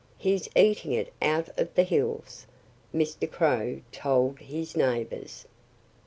"He's eating it out of the hills," Mr. Crow told his neighbors.